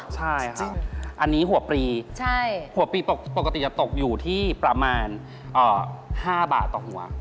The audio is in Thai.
ใช่ค่ะอันนี้หัวปลีหัวปลีปกติจะตกอยู่ที่ประมาณ๕บาทต่อหัว